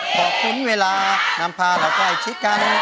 ขอบคุณเวลานำพาเราใกล้ชิดกัน